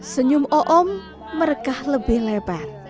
senyum oom merekah lebih lebar